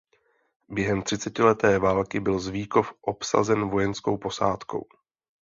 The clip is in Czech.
Během třicetileté války byl Zvíkov obsazen vojenskou posádkou.